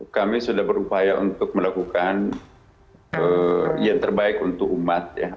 kami sudah berupaya untuk melakukan yang terbaik untuk umat